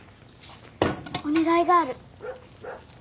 お願いがある。